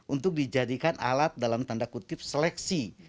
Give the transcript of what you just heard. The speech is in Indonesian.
untuk dijadikan alat dalam tanda kutip seleksi